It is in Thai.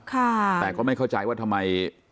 แต่ก็ไม่เข้าใจว่าทำไม